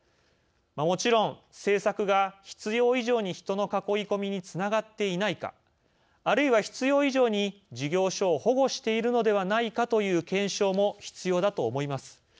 もちろん政策が必要以上に人の囲い込みにつながっていないかあるいは、必要以上に事業所を保護しているのではないかという検証も必要だと思います。